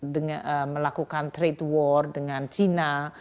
dengan melakukan trade war dengan china